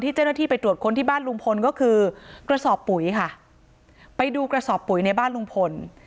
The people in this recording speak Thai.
เจ้าหน้าที่ไปตรวจค้นที่บ้านลุงพลก็คือกระสอบปุ๋ยค่ะไปดูกระสอบปุ๋ยในบ้านลุงพล